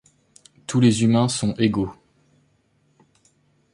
Tous les humains sont égaux.